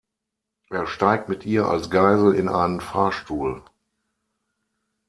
Er steigt mit ihr als Geisel in einen Fahrstuhl.